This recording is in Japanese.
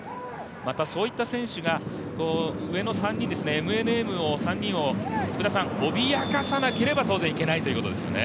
またそういった選手が上の３人ＭＮＭの３人を脅かさなければ当然行けないということですよね。